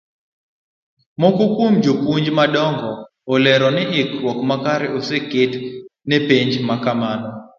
Moko kuom jo puonj madongo olero ni ikruok makare oseket ne penj makamano.